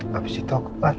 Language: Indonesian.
habis itu kembali